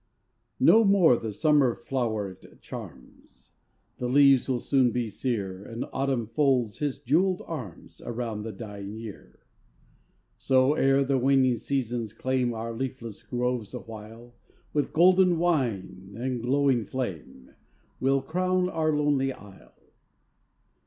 No more the summer floweret charms, The leaves will soon be sere, And Autumn folds his jewelled arms Around the dying year; So, ere the waning seasons claim Our leafless groves awhile, With golden wine and glowing flame We 'll crown our lonely isle.